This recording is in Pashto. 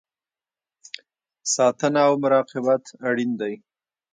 ساتنه او مراقبت اړین دی